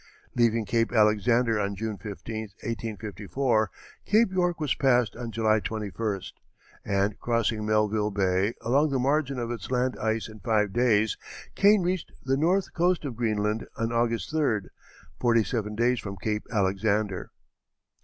Leaving Cape Alexander on June 15, 1854, Cape York was passed on July 21st, and, crossing Melville Bay along the margin of its land ice in five days, Kane reached the north coast of Greenland on August 3d, forty seven days from Cape Alexander.